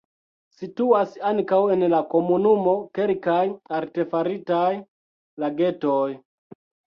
Situas ankaŭ en la komunumo kelkaj artefaritaj lagetoj.